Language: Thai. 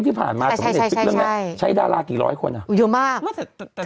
ที่ผ่านมาใช่ใช่ใช่ใช่ใช่ดารากี่ร้อยคนอ่ะอ่ะเยอะมากเธอก็